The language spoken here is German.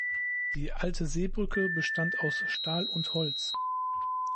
Die alte Seebrücke bestand aus Stahl und Holz.